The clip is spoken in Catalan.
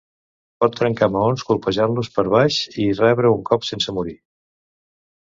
Pot trencar maons colpejant-los per baix i rebre un cop sense morir.